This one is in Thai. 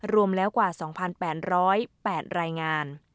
รวมแล้วกว่า๒๘๐๘รายงาน